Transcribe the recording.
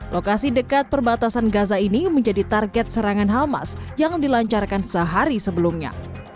lokasi dekat perbatasan gaza ini menjadi target serangan hamas yang dilancarkan sehari sebelumnya